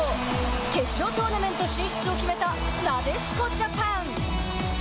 決勝トーナメント進出を決めたなでしこジャパン。